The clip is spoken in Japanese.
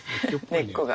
根っこが。